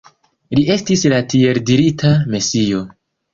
Li estis la tieldirita Mesio.